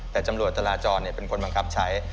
แต่ตำรวจจราจรเป็นคนบังคับใช้